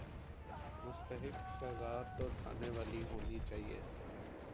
مستحق سزا تو تھانے والی ہونی چاہیے۔